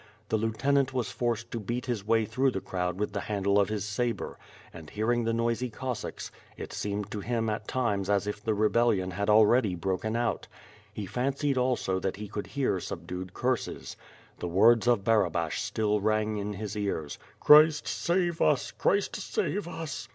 The lieutenant was forced to beat his way through the crowd with the handle of his sabre, and hearing the noisy Cossacks, it seemed to him at times as if the rebellion had already broken out. He fan cied also that he could hear subdued curses. The words of Barabash still rang in his ears: "Christ save us! Christ save us!"